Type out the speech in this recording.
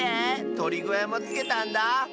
とりごやもつけたんだ。